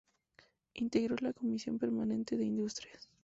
Integró la comisión permanente de Industrias.